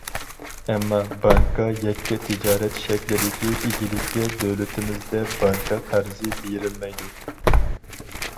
ئەمما، بانكا يەككە تىجارەت شەكلىدىكى ئىگىلىككە دۆلىتىمىزدە بانكا قەرزى بېرىلمەيدۇ.